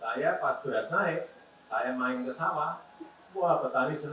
saya pas duas naik saya main ke sawah wah petani seru